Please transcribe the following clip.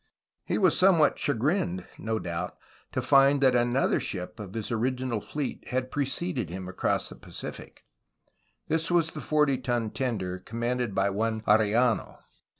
He was somewhat chagrined, no doubt, to find that another ship of his original 86 A HISTORY OF CALIFORNIA fleet had preceded him across the Pacific. This was the forty ton tender, commanded by one Arellano.